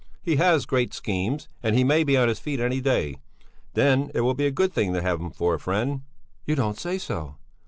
He has great schemes, and he may be on his feet any day; then it will be a good thing to have him for a friend." "You don't say so!